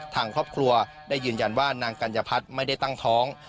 ทางครอบครัวได้ยืนยันว่านางกัญญพัฒน์ไม่ได้ตั้งท้อง